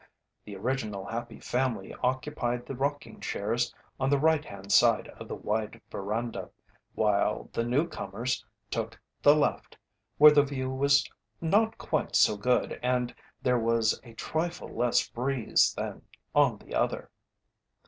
The original "Happy Family" occupied the rocking chairs on the right hand side of the wide veranda, while the "newcomers" took the left, where the view was not quite so good and there was a trifle less breeze than on the other.